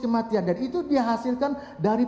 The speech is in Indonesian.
kematian dan itu dihasilkan dari